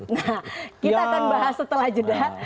nah kita akan bahas setelah jeda